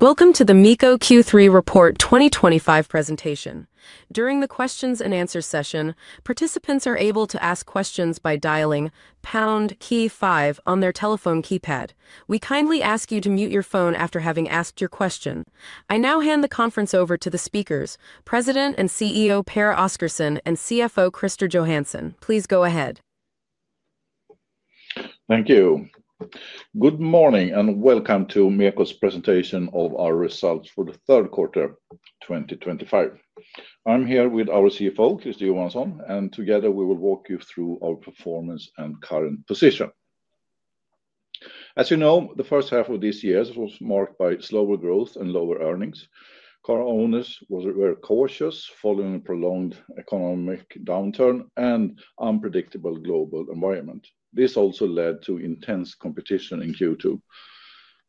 Welcome to the MEKO Q3 Report 2025 presentation. During the Q&A session, participants are able to ask questions by dialing #KEY5 on their telephone keypad. We kindly ask you to mute your phone after having asked your question. I now hand the conference over to the speakers: President and CEO Pehr Oscarsson and CFO Christer Johansson. Please go ahead. Thank you. Good morning and Welcome to MEKO's Presentation of Our Results for third quarter 2025. I'm here with our CFO, Christer Johansson, and together we will walk you through our performance and current position. As you know, the first half of this year was marked by slower growth and lower earnings. Our owners were cautious following a prolonged economic downturn and unpredictable global environment. This also led to intense competition in Q2.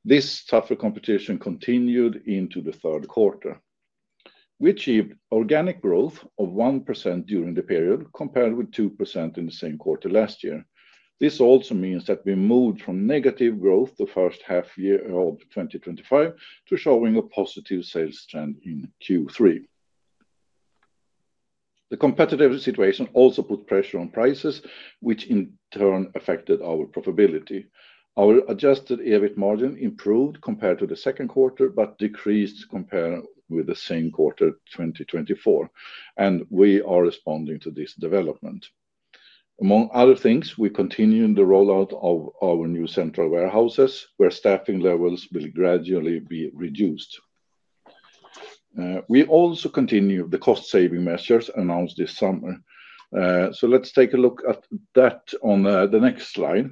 This tougher competition continued into third quarter. We achieved organic growth of 1% during the period, compared with 2% in the same quarter last year. This also means that we moved from negative growth the first half of 2025 to showing a positive sales trend in Q3. The competitive situation also put pressure on prices, which in turn affected our profitability. Our adjusted EBIT margin improved compared to second quarter, but decreased compared with same quarter 2024, and we are responding to this development. Among other things, we continue the rollout of our new central warehouses, where staffing levels will gradually be reduced. We also continue the cost-saving measures announced this summer. Let's take a look at that on the next slide.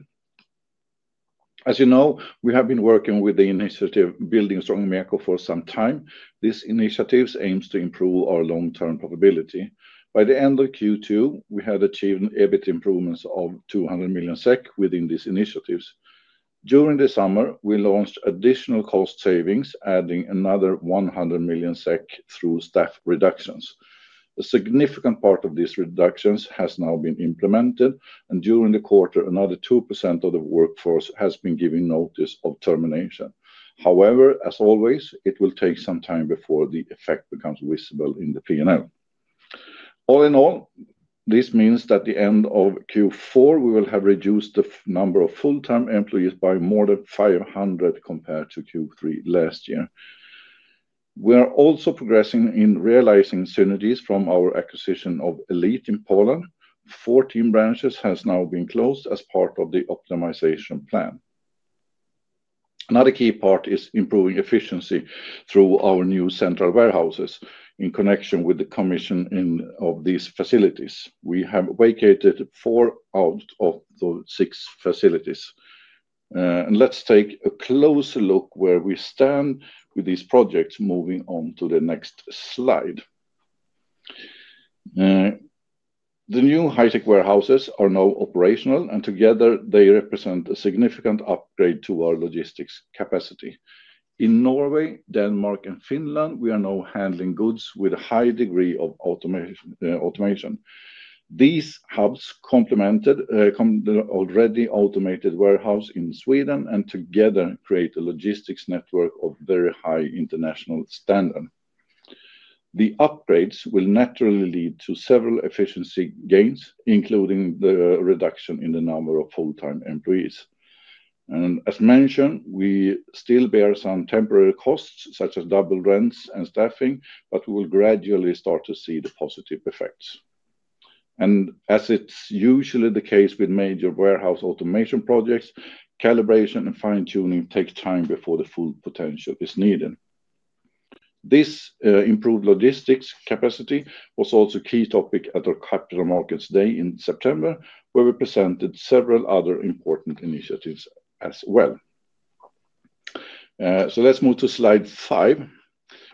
As you know, we have been working with the initiative Building Stronger MEKO for some time. This initiative aims to improve our long-term profitability. By the end of Q2, we had achieved EBIT improvements of 200 million SEK within this initiative. During the summer, we launched additional cost savings, adding another 100 million SEK through staff reductions. A significant part of these reductions has now been implemented, and during the quarter, another 2% of the workforce has been given notice of termination. However, as always, it will take some time before the effect becomes visible in the P&L. All in all, this means that at the end of Q4, we will have reduced the number of full-time employees by more than 500 compared to Q3 last year. We are also progressing in realizing synergies from our acquisition of Elite in Poland. Fourteen branches have now been closed as part of the optimization plan. Another key part is improving efficiency through our new central warehouses in connection with the commissioning of these facilities. We have vacated four out of the six facilities. Let's take a closer look at where we stand with these projects. Moving on to the next slide. The new high-tech warehouses are now operational, and together they represent a significant upgrade to our logistics capacity. In Norway, Denmark, and Finland, we are now handling goods with a high degree of automation. These hubs complement the already automated warehouse in Sweden and together create a logistics network of very high international standard. The upgrades will naturally lead to several efficiency gains, including the reduction in the number of full-time employees. As mentioned, we still bear some temporary costs, such as double rents and staffing, but we will gradually start to see the positive effects. As is usually the case with major warehouse automation projects, calibration and fine-tuning take time before the full potential is needed. This improved logistics capacity was also a key topic at our Capital Markets Day in September, where we presented several other important initiatives as well. Let's move to slide five.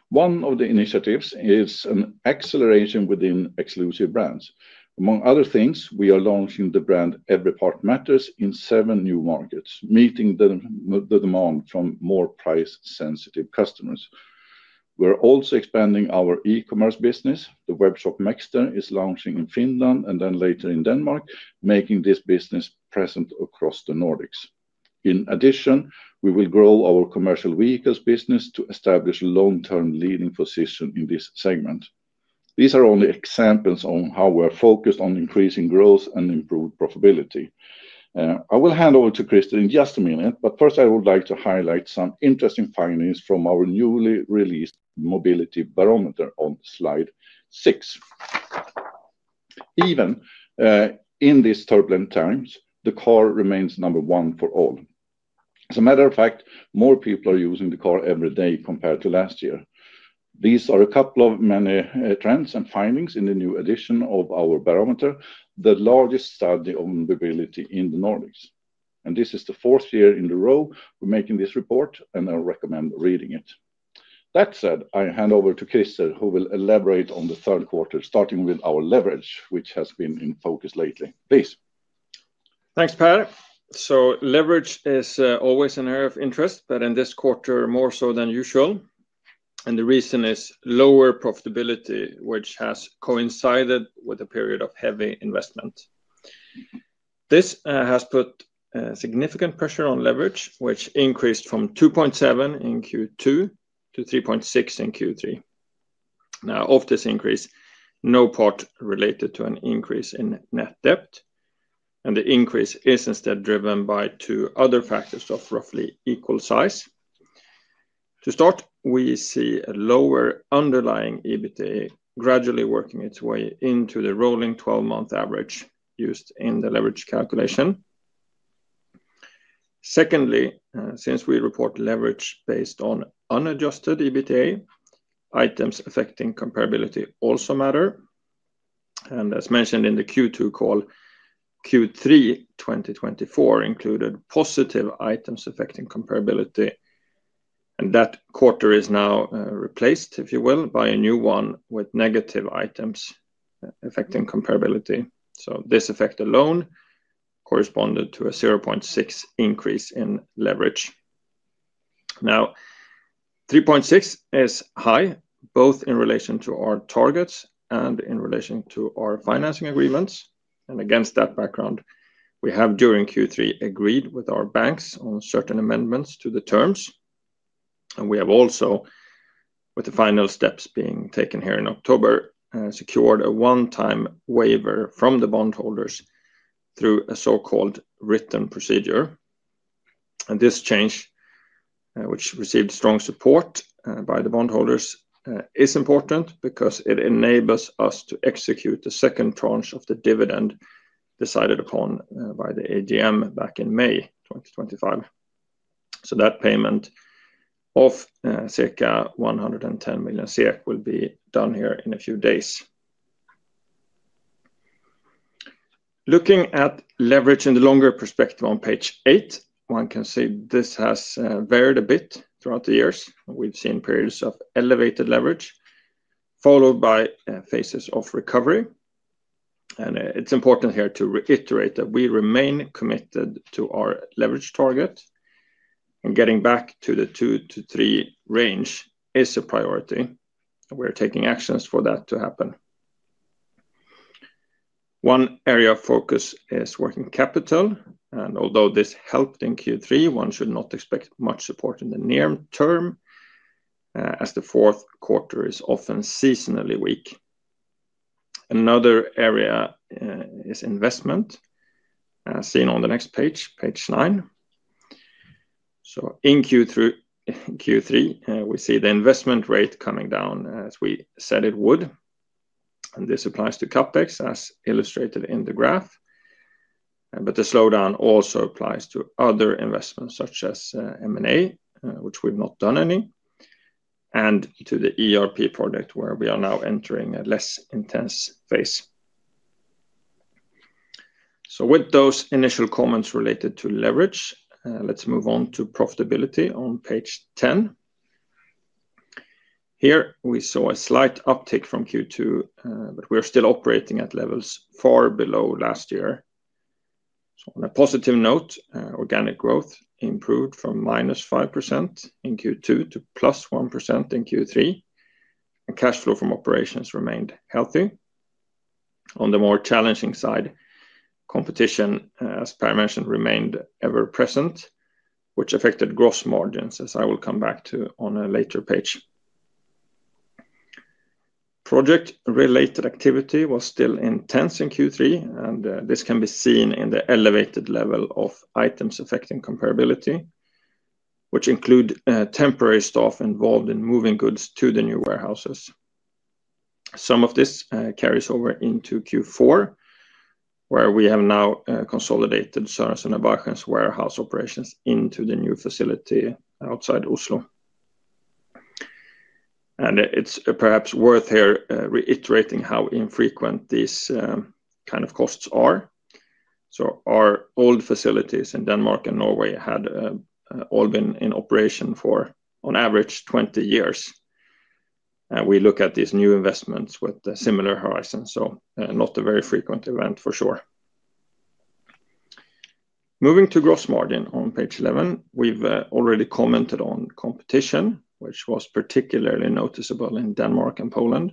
One of the initiatives is an acceleration within exclusive brands. Among other things, we are launching the brand "Every Part Matters" in seven new markets, meeting the demand from more price-sensitive customers. We are also expanding our e-commerce business. The web shop Mechster is launching in Finland and then later in Denmark, making this business present across the Nordics. In addition, we will grow our commercial vehicles business to establish a long-term leading position in this segment. These are only examples on how we are focused on increasing growth and improved profitability. I will hand over to Christer in just a minute, but first I would like to highlight some interesting findings from our newly released mobility barometer on slide six. Even in these turbulent times, the car remains number one for all. As a matter of fact, more people are using the car every day compared to last year. These are a couple of many trends and findings in the new edition of our barometer, the largest study on mobility in the Nordics. This is the fourth year in a row we're making this report, and I recommend reading it. That said, I hand over to Christer, who will elaborate on the third quarter, starting with our leverage, which has been in focus lately. Please. Thanks, Pehr. Leverage is always an area of interest, but in this quarter more so than usual. The reason is lower profitability, which has coincided with a period of heavy investment. This has put significant pressure on leverage, which increased from 2.7 in Q2 to 3.6 in Q3. Now, of this increase, no part related to an increase in net debt. The increase is instead driven by two other factors of roughly equal size. To start, we see a lower underlying EBITDA gradually working its way into the rolling 12-month average used in the leverage calculation. Secondly, since we report leverage based on unadjusted EBITDA, items affecting comparability also matter. As mentioned in the Q2 call, Q3 2024 included positive items affecting comparability. That quarter is now replaced, if you will, by a new one with negative items affecting comparability. This effect alone corresponded to a 0.6 increase in leverage. Now, 3.6 is high, both in relation to our targets and in relation to our financing agreements. Against that background, we have during Q3 agreed with our banks on certain amendments to the terms. We have also, with the final steps being taken here in October, secured a one-time waiver from the bondholders through a so-called written procedure. This change, which received strong support by the bondholders, is important because it enables us to execute the second tranche of the dividend decided upon by the AGM back in May 2025. That payment of circa 110 million SEK will be done here in a few days. Looking at leverage in the longer perspective on page eight, one can see this has varied a bit throughout the years. We've seen periods of elevated leverage, followed by phases of recovery. It is important here to reiterate that we remain committed to our leverage target. Getting back to the 2-3 range is a priority. We're taking actions for that to happen. One area of focus is working capital. Although this helped in Q3, one should not expect much support in the near term, as the fourth quarter is often seasonally weak. Another area is investment, as seen on the next page, page nine. In Q3, we see the investment rate coming down as we said it would. This applies to CapEx, as illustrated in the graph. The slowdown also applies to other investments, such as M&A, which we've not done any, and to the ERP project, where we are now entering a less intense phase. With those initial comments related to leverage, let's move on to profitability on page ten. Here we saw a slight uptick from Q2, but we are still operating at levels far below last year. On a positive note, organic growth improved from -5% in Q2 to +1% in Q3. Cash flow from operations remained healthy. On the more challenging side, competition, as Pehr mentioned, remained ever-present, which affected gross margins, as I will come back to on a later page. Project-related activity was still intense in Q3, and this can be seen in the elevated level of items affecting comparability, which include temporary staff involved in moving goods to the new warehouses. Some of this carries over into Q4, where we have now consolidated Sørensen & Barchen's warehouse operations into the new facility outside Oslo. It is perhaps worth here reiterating how infrequent these kinds of costs are. Our old facilities in Denmark and Norway had all been in operation for, on average, 20 years. We look at these new investments with a similar horizon, so not a very frequent event for sure. Moving to gross margin on page 11, we have already commented on competition, which was particularly noticeable in Denmark and Poland.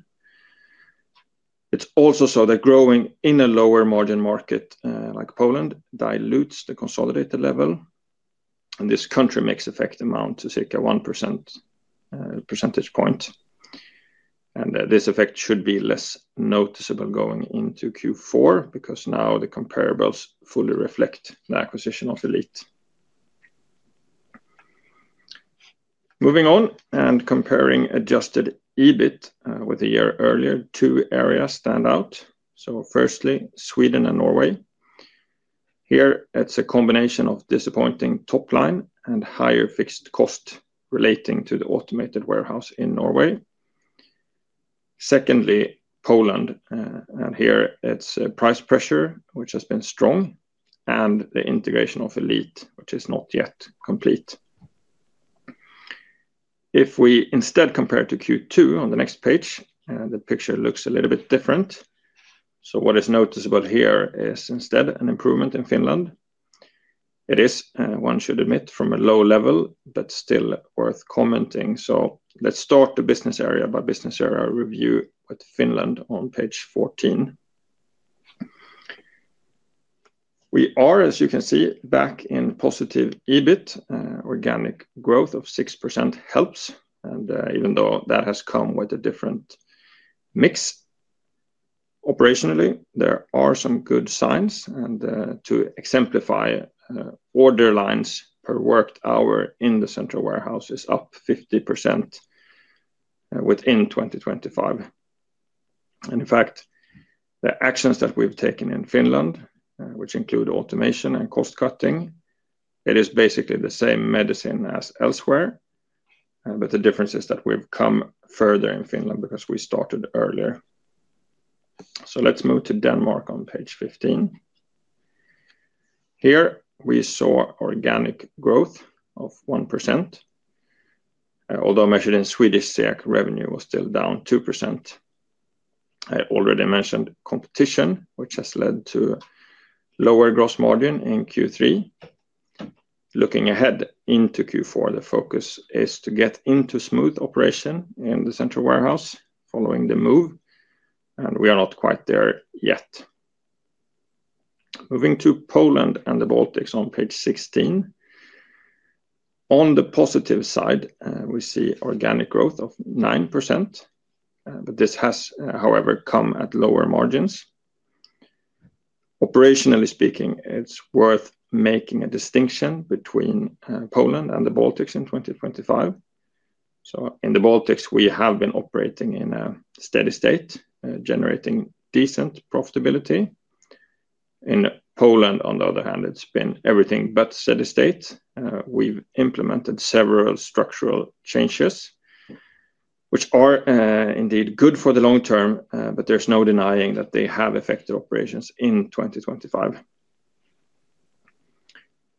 It is also so that growing in a lower margin market like Poland dilutes the consolidated level. This country mix effect amounts to circa 1 percentage point. This effect should be less noticeable going into Q4 because now the comparables fully reflect the acquisition of Elite. Moving on and comparing adjusted EBIT with a year earlier, two areas stand out. Firstly, Sweden and Norway. Here, it's a combination of disappointing top line and higher fixed cost relating to the automated warehouse in Norway. Secondly, Poland. Here, it's price pressure, which has been strong, and the integration of Elite, which is not yet complete. If we instead compare to Q2 on the next page, the picture looks a little bit different. What is noticeable here is instead an improvement in Finland. It is, one should admit, from a low level, but still worth commenting. Let's start the business area by business area review with Finland on page 14. We are, as you can see, back in positive EBIT. Organic growth of 6% helps. Even though that has come with a different mix operationally, there are some good signs. To exemplify, order lines per worked hour in the central warehouse is up 50% within 2025. In fact, the actions that we've taken in Finland, which include automation and cost cutting, it is basically the same medicine as elsewhere. The difference is that we've come further in Finland because we started earlier. Let's move to Denmark on page 15. Here we saw organic growth of 1%. Although measured in SEK, revenue was still down 2%. I already mentioned competition, which has led to lower gross margin in Q3. Looking ahead into Q4, the focus is to get into smooth operation in the central warehouse following the move. We are not quite there yet. Moving to Poland and the Baltics on page 16. On the positive side, we see organic growth of 9%. This has, however, come at lower margins. Operationally speaking, it's worth making a distinction between Poland and the Baltics in 2025. In the Baltics, we have been operating in a steady state, generating decent profitability. In Poland, on the other hand, it has been everything but steady state. We have implemented several structural changes, which are indeed good for the long term, but there is no denying that they have affected operations in 2025.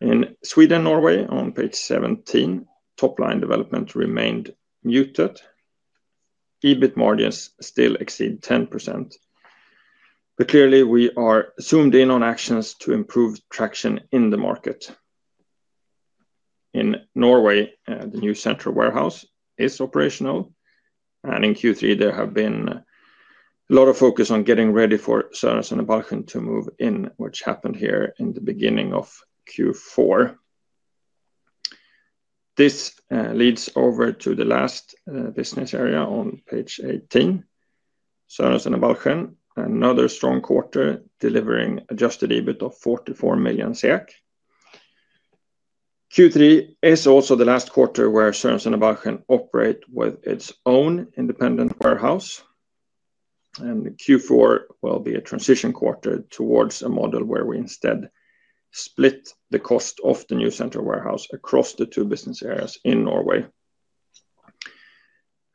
In Sweden and Norway, on page 17, top line development remained muted. EBIT margins still exceed 10%. Clearly, we are zoomed in on actions to improve traction in the market. In Norway, the new central warehouse is operational. In Q3, there has been a lot of focus on getting ready for Sørensen & Barchen to move in, which happened here in the beginning of Q4. This leads over to the last business area on page 18. Sørensen & Barchen, another strong quarter, delivering adjusted EBIT of 44 million SEK. Q3 is also the last quarter where Sørensen & Barchen operate with its own independent warehouse. Q4 will be a transition quarter toward a model where we instead split the cost of the new central warehouse across the two business areas in Norway.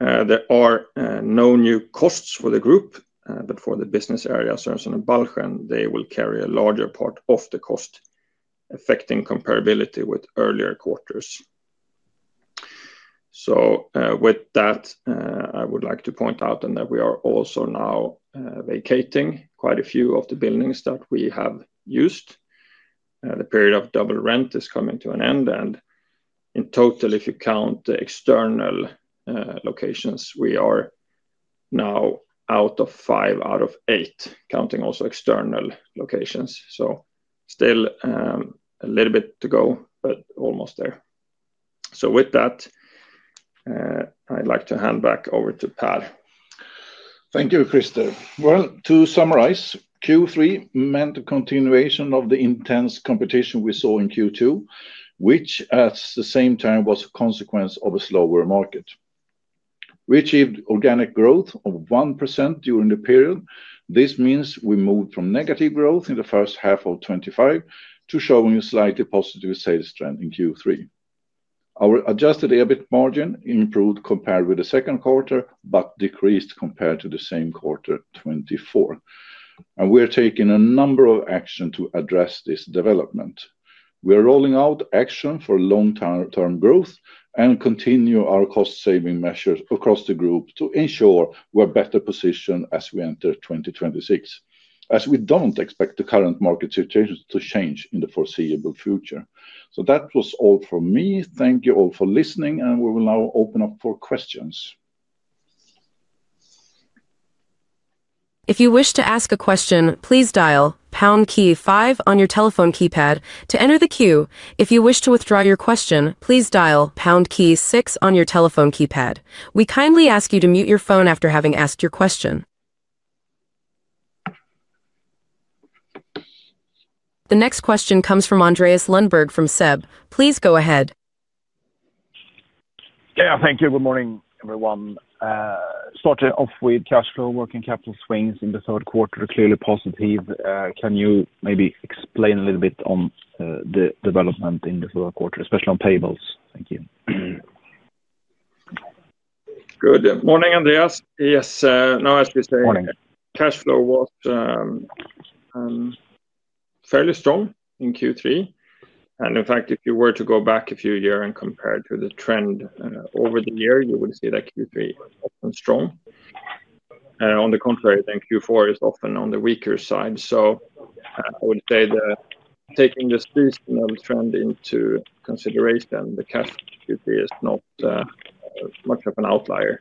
There are no new costs for the group, but for the business area Sørensen & Barchen, they will carry a larger part of the cost affecting comparability with earlier quarters. With that, I would like to point out that we are also now vacating quite a few of the buildings that we have used. The period of double rent is coming to an end. In total, if you count the external locations, we are now out of five out of eight, counting also external locations. Still a little bit to go, but almost there. With that, I'd like to hand back over to Pehr. Thank you, Christer. To summarize, Q3 meant a continuation of the intense competition we saw in Q2, which at the same time was a consequence of a slower market. We achieved organic growth of 1% during the period. This means we moved from negative growth in the first half of 2025 to showing a slightly positive sales trend in Q3. Our adjusted EBIT margin improved compared with the second quarter, but decreased compared to the same quarter, 2024. We are taking a number of actions to address this development. We are rolling out action for long-term growth and continue our cost-saving measures across the group to ensure we're better positioned as we enter 2026, as we do not expect the current market situation to change in the foreseeable future. That was all from me. Thank you all for listening, and we will now open up for questions. If you wish to ask a question, please dial pound key five on your telephone keypad to enter the queue. If you wish to withdraw your question, please dial pound key six on your telephone keypad. We kindly ask you to mute your phone after having asked your question. The next question comes from Andreas Lundberg from SEB. Please go ahead. Yeah, thank you. Good morning, everyone. Starting off with cash flow, working capital swings in the third quarter are clearly positive. Can you maybe explain a little bit on the development in the fourth quarter, especially on tables? Thank you. Good morning, Andreas. Yes, now, as we say, cash flow was fairly strong in Q3. And in fact, if you were to go back a few years and compare to the trend over the year, you would see that Q3 was often strong. On the contrary, I think Q4 is often on the weaker side. I would say that taking this reasonable trend into consideration, the cash Q3 is not much of an outlier.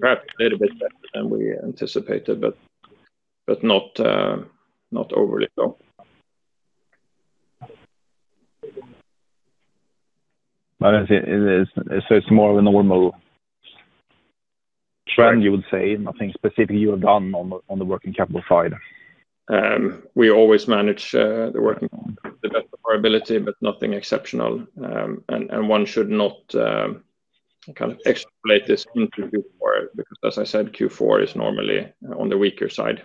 Perhaps a little bit better than we anticipated, but not overly low. It's more of a normal trend, you would say, nothing specific you have done on the working capital side? We always manage the working capital with the best of our ability, but nothing exceptional. One should not kind of extrapolate this into Q4 because, as I said, Q4 is normally on the weaker side.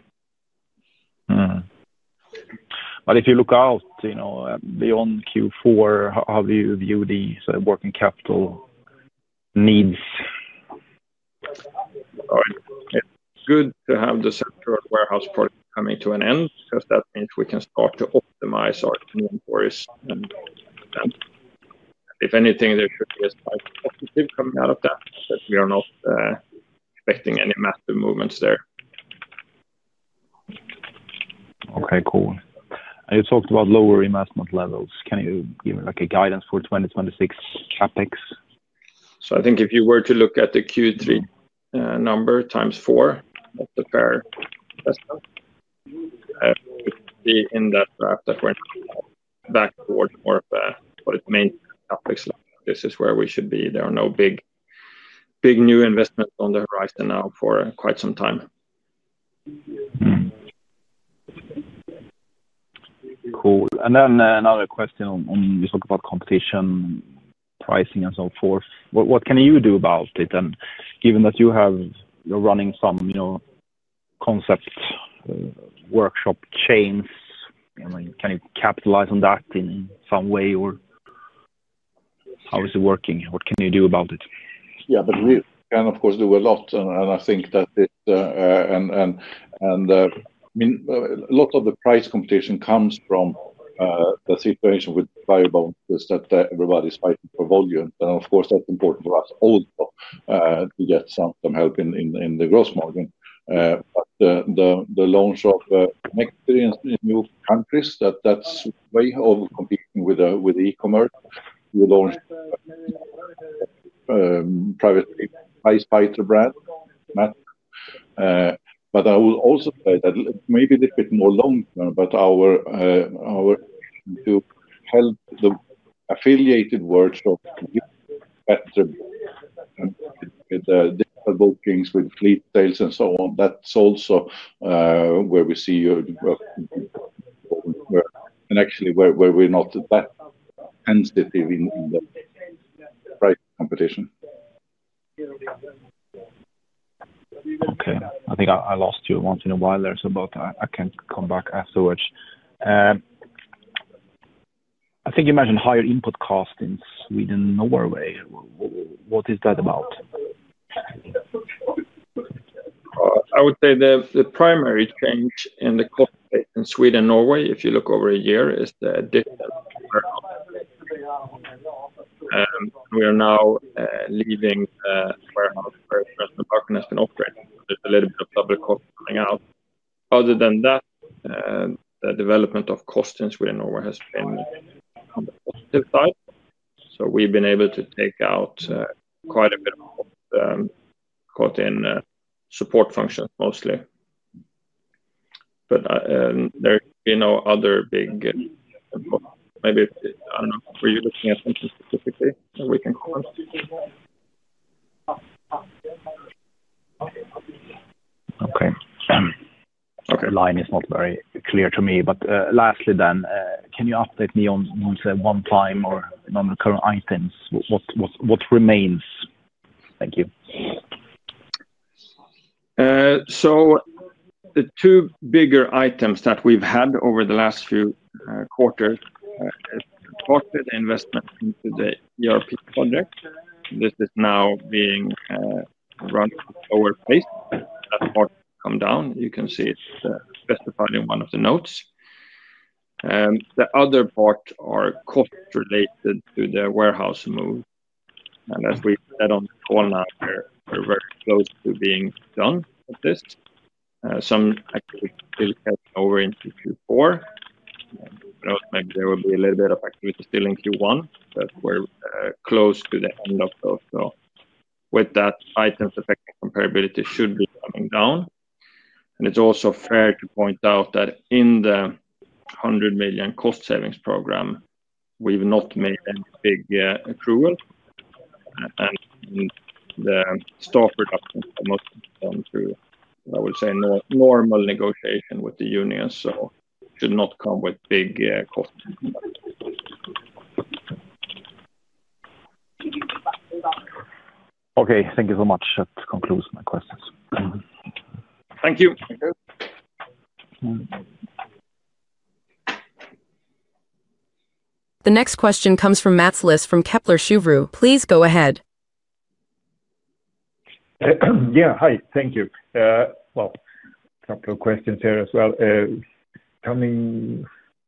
If you look out beyond Q4, how do you view these working capital needs? It's good to have the central warehouse project coming to an end because that means we can start to optimize our inventories. If anything, there should be a slight positive coming out of that, but we are not expecting any massive movements there. Okay, cool. You talked about lower investment levels. Can you give me a guidance for 2026 CapEx? I think if you were to look at the Q3 number times four of the PER investment, we would be in that graph that we're back towards more of what it means. This is where we should be. There are no big new investments on the horizon now for quite some time. Cool. Another question on you talk about competition, pricing, and so forth. What can you do about it? Given that you're running some concept workshop chains, can you capitalize on that in some way? How is it working? What can you do about it? Yeah, we can, of course, do a lot. I think that a lot of the price competition comes from the situation with value brands, that everybody's fighting for volume. Of course, that's important for us also to get some help in the gross margin. The launch of experience in new countries, that's a way of competing with e-commerce. We launched a private price fighter brand, MAT. I will also say that maybe a little bit more long term, but our effort to help the affiliated workshops get better with digital bookings, with fleet sales, and so on, that's also where we see and actually where we're not that sensitive in the price competition. Okay. I think I lost you once in a while there, so I can come back afterwards. I think you mentioned higher input cost in Sweden and Norway. What is that about? I would say the primary change in the cost in Sweden and Norway, if you look over a year, is the digital warehouse. We are now leaving the warehouse for Sørensen & Barchen to operate. There's a little bit of double cost coming out. Other than that, the development of costs in Sweden and Norway has been on the positive side. We've been able to take out quite a bit of cost in support functions mostly. There are no other big maybe I don't know. Are you looking at something specifically that we can comment? Okay. Line is not very clear to me. Lastly, can you update me on one-time or on the current items? What remains? Thank you. The two bigger items that we've had over the last few quarters is part of the investment into the ERP project. This is now being run at a lower pace. That part has come down. You can see it specified in one of the notes. The other part is cost-related to the warehouse move. As we said on the call now, we're very close to being done with this. Some activity is heading over into Q4. Maybe there will be a little bit of activity still in Q1, but we're close to the end of those. With that, items affecting comparability should be coming down. It's also fair to point out that in the 100 million cost savings program, we've not made any big accrual. The staff reductions are mostly done through, I would say, normal negotiation with the unions.It should not come with big costs. Okay. Thank you so much. That concludes my questions. Thank you. The next question comes from Mats Liss from Kepler Cheuvreux. Please go ahead. Yeah, hi. Thank you. A couple of questions here as well. Coming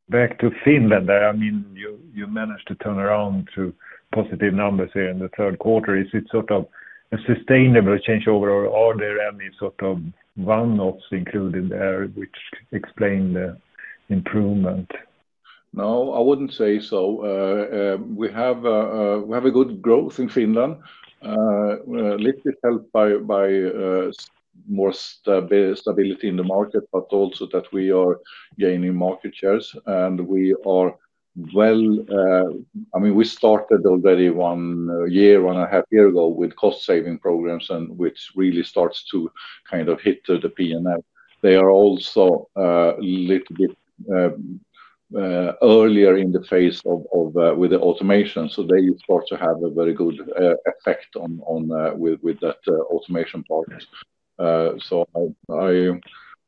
back to Finland, I mean, you managed to turn around to positive numbers here in the third quarter. Is it sort of a sustainable change overall, or are there any sort of one-offs included there which explain the improvement? No, I would not say so. We have a good growth in Finland, a little bit helped by more stability in the market, but also that we are gaining market shares. I mean, we started already one year, one and a half years ago with cost-saving programs, which really starts to kind of hit the P&L. They are also a little bit earlier in the phase with the automation. They start to have a very good effect with that automation part.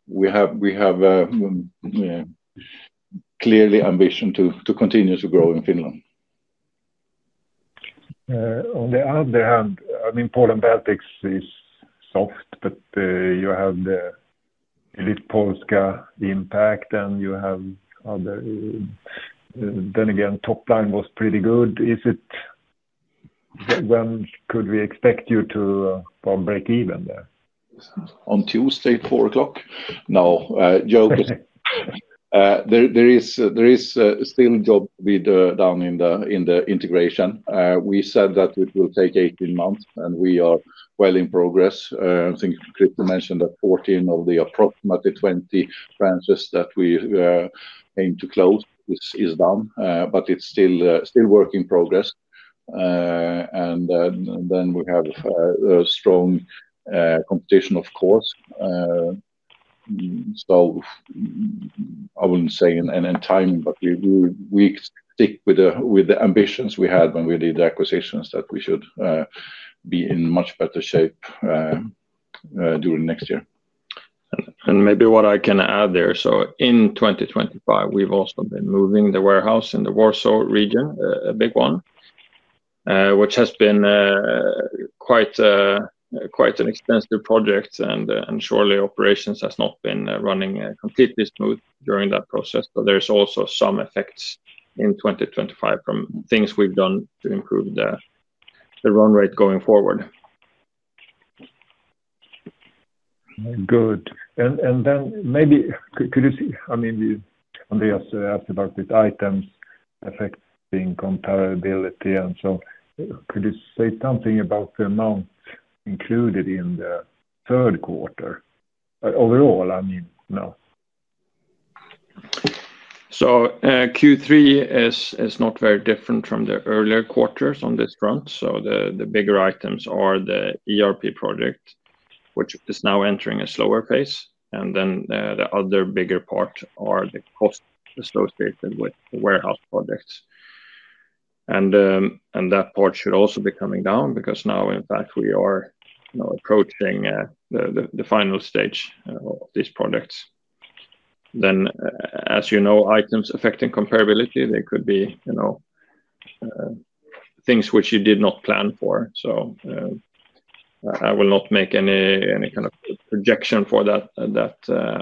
We have clearly the ambition to continue to grow in Finland. On the other hand, I mean, Poland-Baltics is soft, but you have the Elite Polska impact, and you have other--then again, top line was pretty good. When could we expect you to break even there? On Tuesday, 4:00. No, joke. There is still jobs down in the integration. We said that it will take 18 months, and we are well in progress. I think Christer mentioned that 14 of the approximately 20 branches that we aim to close is done, but it is still a work in progress. We have strong competition, of course. I would not say in time, but we stick with the ambitions we had when we did the acquisitions that we should be in much better shape during next year. Maybe what I can add there, in 2025, we have also been moving the warehouse in the Warsaw region, a big one, which has been quite an expensive project. Surely, operations have not been running completely smooth during that process. There are also some effects in 2025 from things we've done to improve the run rate going forward. Good. Maybe could you see—I mean, Andreas asked about these items affecting comparability. Could you say something about the amount included in the third quarter overall? I mean, no. Q3 is not very different from the earlier quarters on this front. The bigger items are the ERP project, which is now entering a slower phase. The other bigger part are the costs associated with the warehouse projects. That part should also be coming down because now, in fact, we are approaching the final stage of these projects. As you know, items affecting comparability, they could be things which you did not plan for. I will not make any kind of projection for that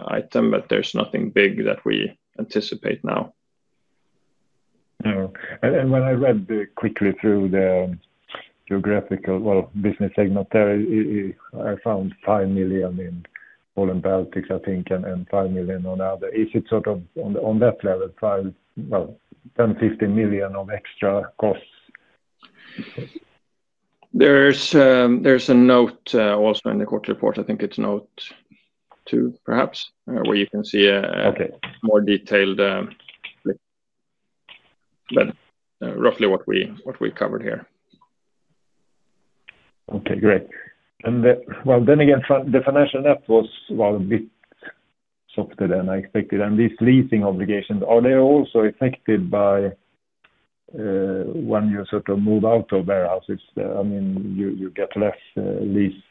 item, but there's nothing big that we anticipate now. When I read quickly through the geographical, well, business segment there, I found 5 million in Poland-Baltics, I think, and 5 million on other. Is it sort of on that level, 5, well, 10 million-15 million of extra costs? There's a note also in the quarter report. I think it's note two, perhaps, where you can see a more detailed list. But roughly what we covered here. Okay, great. The financial net was a bit softer than I expected. These leasing obligations, are they also affected by when you sort of move out of warehouses? I mean, you get less lease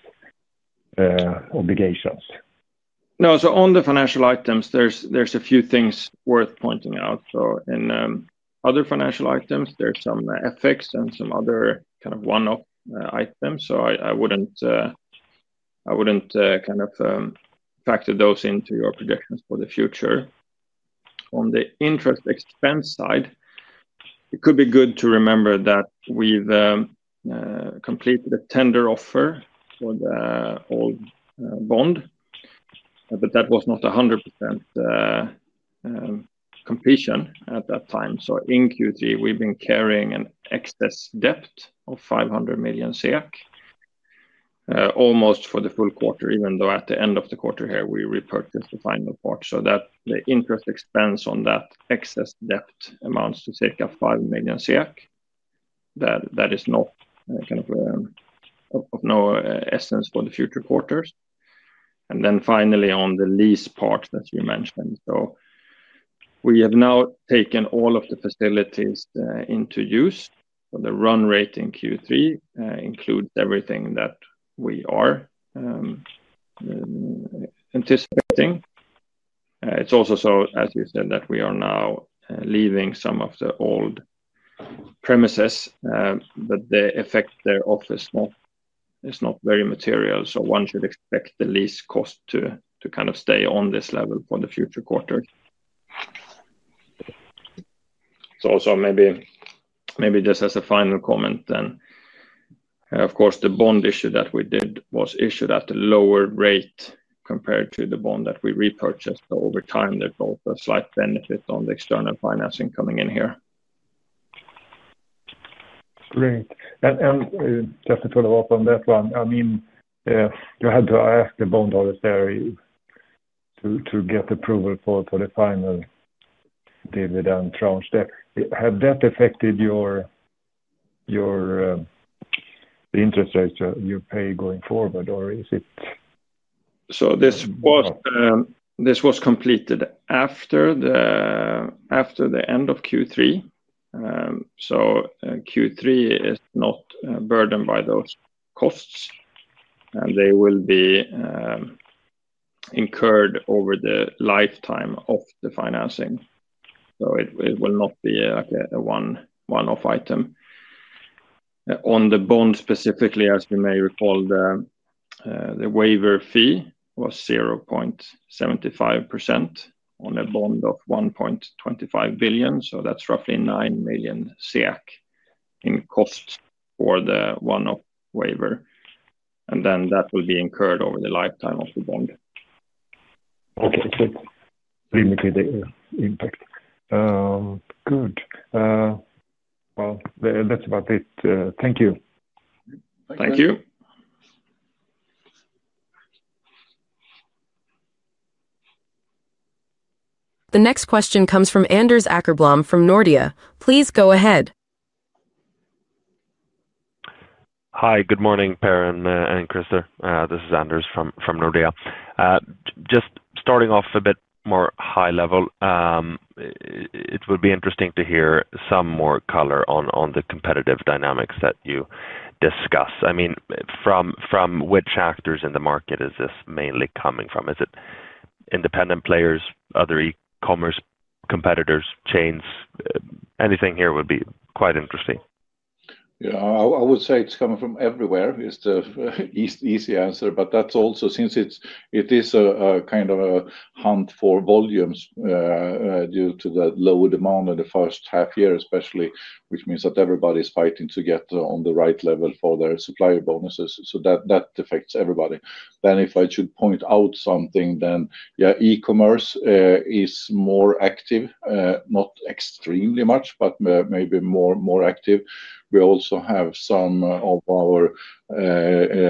obligations. No, on the financial items, there are a few things worth pointing out. In other financial items, there is some FX and some other kind of one-off items. I would not factor those into your projections for the future. On the interest expense side, it could be good to remember that we have completed a tender offer for the old bond, but that was not 100% completion at that time. In Q3, we have been carrying an excess debt of 500 million SEK almost for the full quarter, even though at the end of the quarter here, we repurchased the final part. The interest expense on that excess debt amounts to circa 5 million SEK. That is not of any essence for the future quarters. Finally, on the lease part that you mentioned, we have now taken all of the facilities into use. The run rate in Q3 includes everything that we are anticipating. It is also, as you said, that we are now leaving some of the old premises, but the effect thereof is not very material. One should expect the lease cost to kind of stay on this level for the future quarter. Also, maybe just as a final comment, of course, the bond issue that we did was issued at a lower rate compared to the bond that we repurchased. Over time, there is also a slight benefit on the external financing coming in here. Great. Just to follow up on that one, I mean, you had to ask the bond holders there to get approval for the final dividend tranche. Had that affected your interest rates you pay going forward, or is it? This was completed after the end of Q3. Q3 is not burdened by those costs, and they will be incurred over the lifetime of the financing. It will not be a one-off item. On the bond specifically, as you may recall, the waiver fee was 0.75% on a bond of 1.25 billion. That is roughly 9 million in cost for the one-off waiver. That will be incurred over the lifetime of the bond. Okay. So it's pretty much the impact. Good. That's about it. Thank you. Thank you. The next question comes from Anders Åkerblom from Nordea. Please go ahead. Hi, good morning, Pehr and Christer. This is Anders from Nordea. Just starting off a bit more high level, it would be interesting to hear some more color on the competitive dynamics that you discuss. I mean, from which actors in the market is this mainly coming from? Is it independent players, other e-commerce competitors, chains? Anything here would be quite interesting. Yeah, I would say it's coming from everywhere is the easy answer. That's also since it is a kind of a hunt for volumes due to the low demand in the first half year, especially, which means that everybody's fighting to get on the right level for their supplier bonuses. That affects everybody. If I should point out something, then yeah, e-commerce is more active, not extremely much, but maybe more active. We also have some of our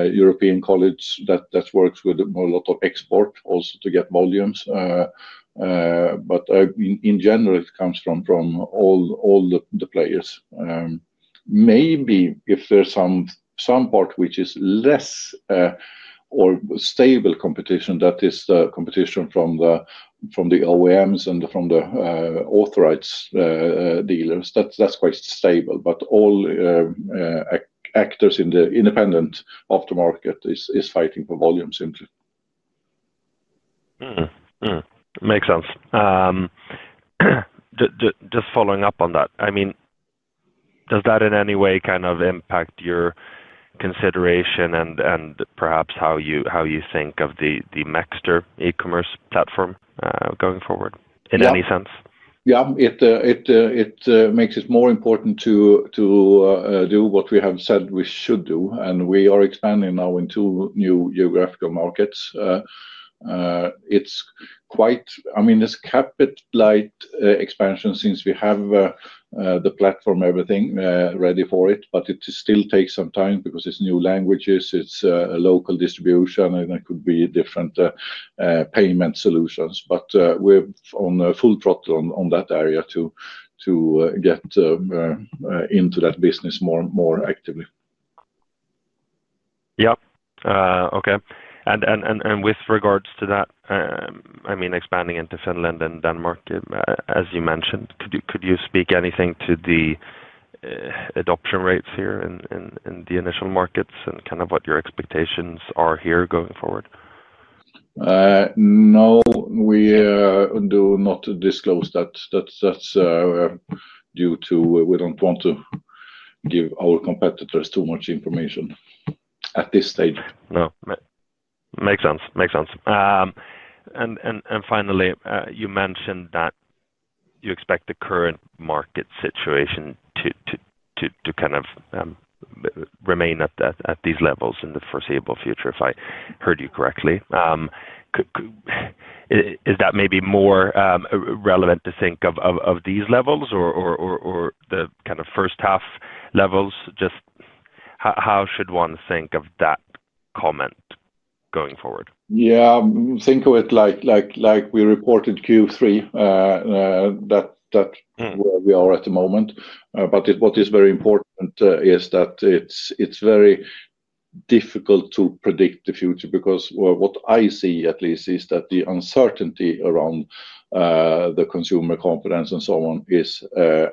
European colleagues that work with a lot of export also to get volumes. In general, it comes from all the players. Maybe if there's some part which is less or stable competition, that is the competition from the OEMs and from the authorized dealers. That's quite stable. All actors in the independent aftermarket are fighting for volumes into. Makes sense. Just following up on that, I mean, does that in any way kind of impact your consideration and perhaps how you think of the Mechster e-commerce platform going forward in any sense? Yeah, it makes it more important to do what we have said we should do. We are expanding now into new geographical markets. It's quite, I mean, it's capped at light expansion since we have the platform, everything ready for it, but it still takes some time because it's new languages, it's local distribution, and there could be different payment solutions. We are on a full throttle on that area to get into that business more actively. Yep. Okay. With regards to that, I mean, expanding into Finland and Denmark, as you mentioned, could you speak anything to the adoption rates here in the initial markets and kind of what your expectations are here going forward? No, we do not disclose that. That's due to we don't want to give our competitors too much information at this stage. Makes sense. Makes sense. Finally, you mentioned that you expect the current market situation to kind of remain at these levels in the foreseeable future, if I heard you correctly. Is that maybe more relevant to think of these levels or the kind of first half levels? Just how should one think of that comment going forward? Yeah, think of it like we reported Q3, that where we are at the moment. What is very important is that it's very difficult to predict the future because what I see, at least, is that the uncertainty around the consumer confidence and so on is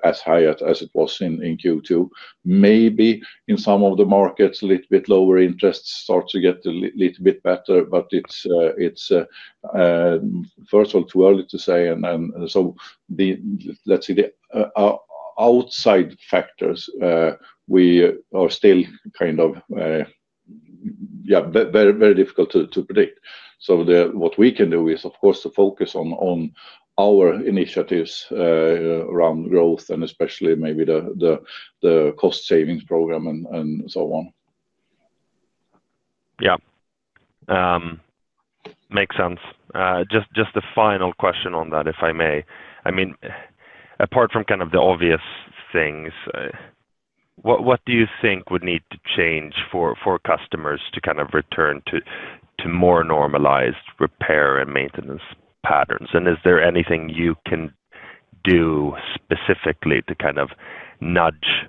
as high as it was in Q2. Maybe in some of the markets, a little bit lower interest starts to get a little bit better, but it's, first of all, too early to say. Let's see, the outside factors, we are still kind of, yeah, very difficult to predict. What we can do is, of course, to focus on our initiatives around growth and especially maybe the cost savings program and so on. Yeah. Makes sense. Just the final question on that, if I may. I mean, apart from kind of the obvious things, what do you think would need to change for customers to kind of return to more normalized repair and maintenance patterns? Is there anything you can do specifically to kind of nudge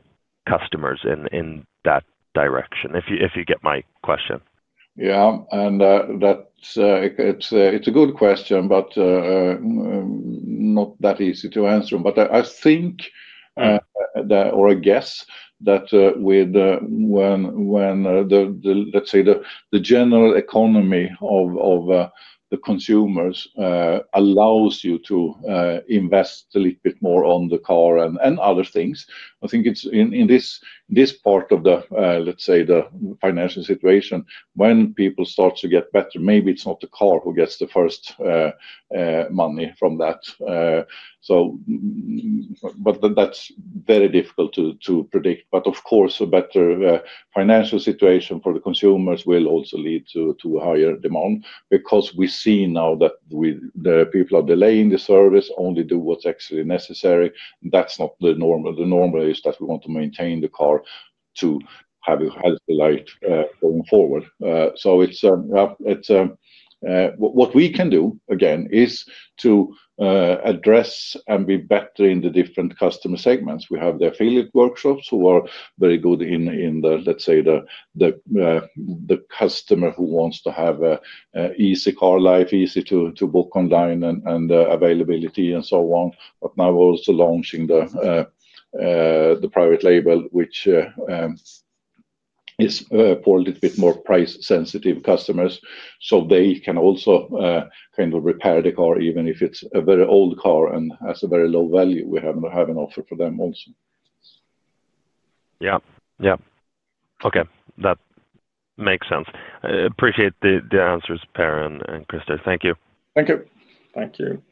customers in that direction, if you get my question? Yeah. It's a good question, but not that easy to answer. I think that, or I guess that when the, let's say, the general economy of the consumers allows you to invest a little bit more on the car and other things, I think in this part of the, let's say, the financial situation, when people start to get better, maybe it's not the car who gets the first money from that. That's very difficult to predict. Of course, a better financial situation for the consumers will also lead to higher demand because we see now that people are delaying the service, only do what's actually necessary. That's not the norm. The normal is that we want to maintain the car to have a healthy life going forward. What we can do, again, is to address and be better in the different customer segments. We have the affiliate workshops who are very good in the, let's say, the customer who wants to have an easy car life, easy to book online and availability and so on. Now we're also launching the private label, which is for a little bit more price-sensitive customers. They can also kind of repair the car, even if it's a very old car and has a very low value. We have an offer for them also. Yeah. Yeah. Okay. That makes sense. Appreciate the answers, Pehr and Christer. Thank you. Thank you. Thank you.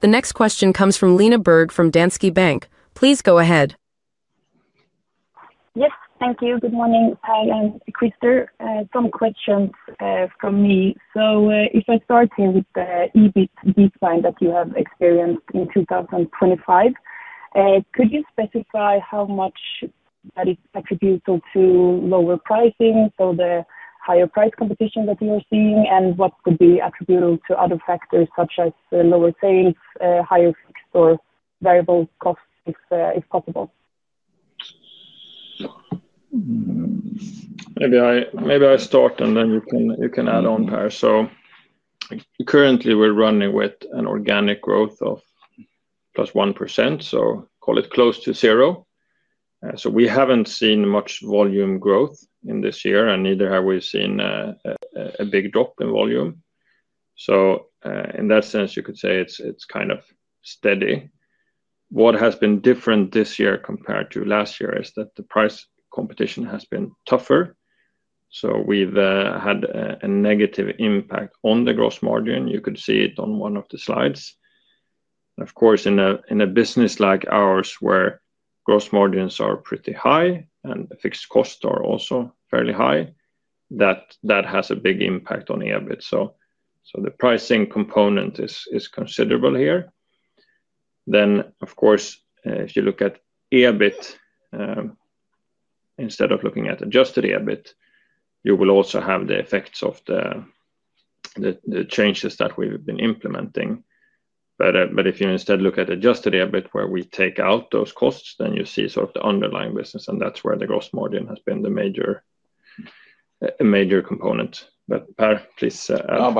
The next question comes from Lena Berg from Danske Bank. Please go ahead. Yes. Thank you. Good morning, Pehr and Christer. Some questions from me. If I start here with the EBIT decline that you have experienced in 2025, could you specify how much that is attributable to lower pricing, so the higher price competition that you are seeing, and what could be attributable to other factors such as lower sales, higher fixed or variable costs if possible? Maybe I start and then you can add on, Pehr. Currently, we're running with an organic growth of plus 1%, so call it close to zero. We haven't seen much volume growth in this year, and neither have we seen a big drop in volume. In that sense, you could say it's kind of steady. What has been different this year compared to last year is that the price competition has been tougher. We've had a negative impact on the gross margin. You could see it on one of the slides. Of course, in a business like ours where gross margins are pretty high and fixed costs are also fairly high, that has a big impact on EBIT. The pricing component is considerable here. Of course, if you look at EBIT, instead of looking at adjusted EBIT, you will also have the effects of the changes that we've been implementing. If you instead look at adjusted EBIT where we take out those costs, then you see sort of the underlying business, and that's where the gross margin has been the major component. But Pehr, please ask. No,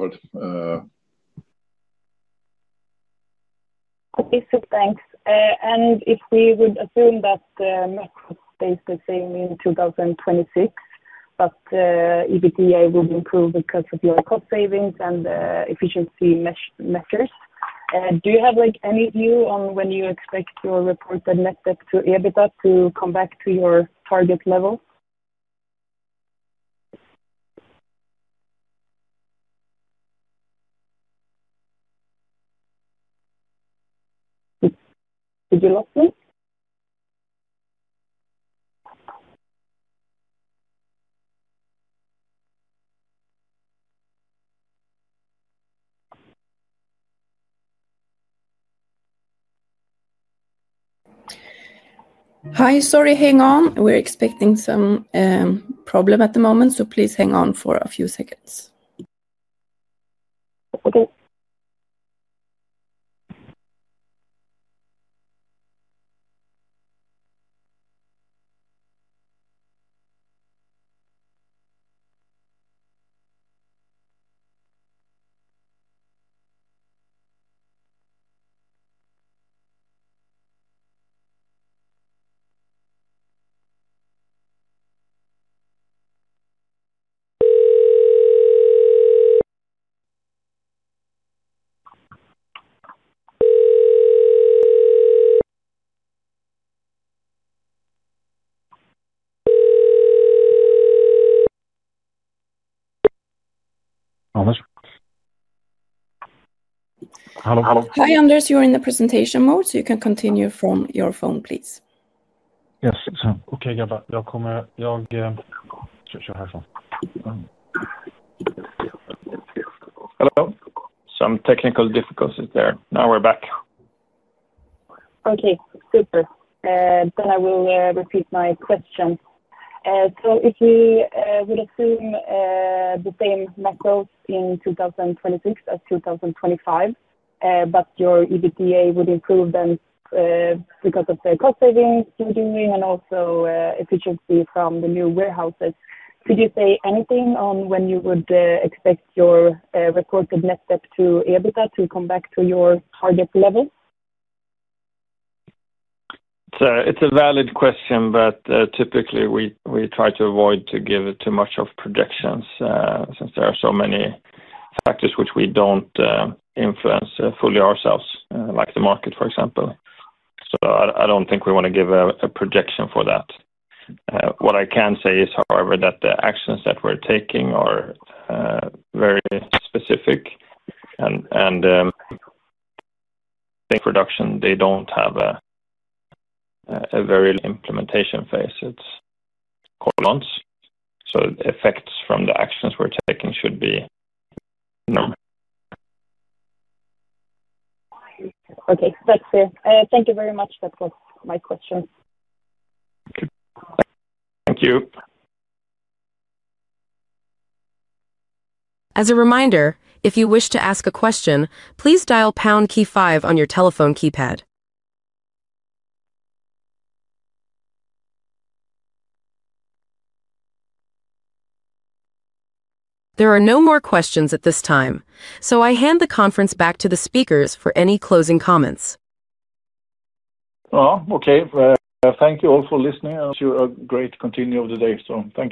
but I think that covered. Okay. Thanks. If we would assume that Mechster stays the same in 2026, but EBITDA would improve because of your cost savings and efficiency measures, do you have any view on when you expect your reported net debt to EBITDA to come back to your target level? Did you lose me? Hi. Sorry. Hang on. We're experiencing some problem at the moment, so please hang on for a few seconds. Okay. Anders? Hello? Hi, Anders. You are in the presentation mode, so you can continue from your phone, please. Yes. Okay. Jag kommer. Jag should show here from. Hello? Some technical difficulties there. Now we're back. Okay. Super. I will repeat my question. If we would assume the same Mechster in 2026 as 2025, but your EBITDA would improve then because of the cost savings you are doing and also efficiency from the new warehouses, could you say anything on when you would expect your reported net debt to EBITDA to come back to your target level? It's a valid question, but typically, we try to avoid to give too much of projections since there are so many factors which we don't influence fully ourselves, like the market, for example. I don't think we want to give a projection for that. What I can say is, however, that the actions that we're taking are very specific, and production, they don't have a very implementation phase. It's called months. Effects from the actions we're taking should be normal. Okay. That's clear. Thank you very much. That was my question. Thank you. As a reminder, if you wish to ask a question, please dial pound key five on your telephone keypad. There are no more questions at this time, so I hand the conference back to the speakers for any closing comments. Okay. Thank you all for listening. You a great continuing of the day.